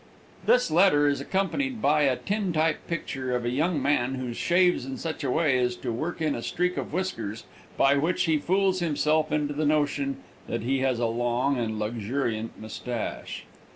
This letter is accompanied by a tin type picture of a young man who shaves in such a way as to work in a streak of whiskers by which he fools himself into the notion that he has a long and luxuriant mustache.